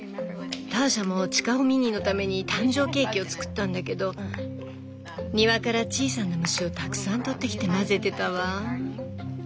ターシャもチカホミニーのために誕生ケーキを作ったんだけど庭から小さな虫をたくさんとってきて混ぜてたわ。